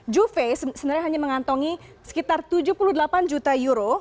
juve sebenarnya hanya mengantongi sekitar tujuh puluh delapan juta euro